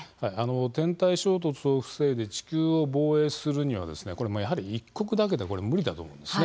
天体衝突を防いで地球を防衛するには一国だけでは無理だと思うんですね。